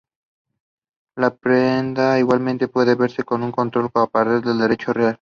La prenda, igualmente puede verse como un contrato o como un derecho real.